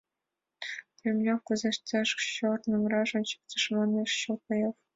— Румелёв кузе ышташ корным раш ончыктыш, — манеш Чолпаев.